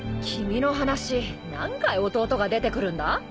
君の話何回弟が出てくるんだ？